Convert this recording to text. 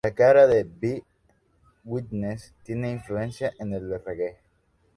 La cara B, "Witness", tiene influencias de reggae.